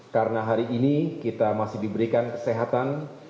karena hari ini kita masih diberikan kesehatan